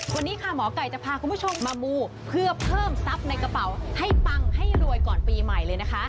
วันนี้ค่ะหมอไก่จะพาคุณผู้ชมมามูเพื่อเพิ่มทรัพย์ในกระเป๋าให้ปังให้รวยก่อนปีใหม่เลยนะคะ